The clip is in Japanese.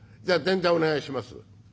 じゃあぜんざいお願いします」。